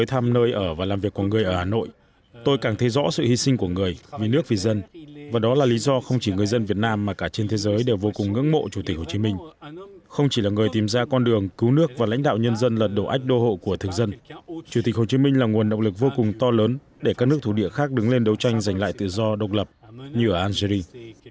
hồ chí minh là một nơi to lớn để các nước thủ địa khác đứng lên đấu tranh giành lại tự do độc lập như ở algerie